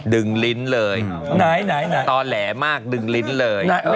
ดึงลิ้นเลยต่อแหลมากดึงลิ้นเลย